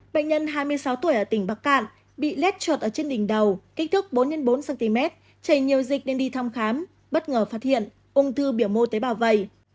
bệnh nhân hai mươi sáu tuổi ở tỉnh bắc cạn bị lết chuột ở trên đỉnh đầu kích thước bốn x bốn cm chảy nhiều dịch nên đi thăm khám bất ngờ phát hiện ung thư biểu mô tế bào vầy